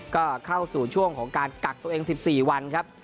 ก็เข้าสู่ช่วงของการกักตัวเอง๑๔วันครับ